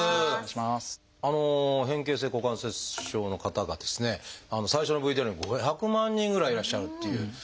変形性股関節症の方がですね最初のＶＴＲにも５００万人ぐらいいらっしゃるっていう。